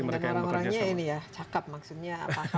dan orang orangnya ini ya cakep maksudnya